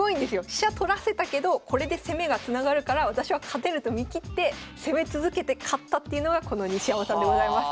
飛車取らせたけどこれで攻めがつながるから私は勝てると見切って攻め続けて勝ったっていうのがこの西山さんでございます。